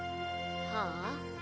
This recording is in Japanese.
はあ？